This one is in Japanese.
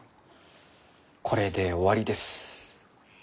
これで終わりです。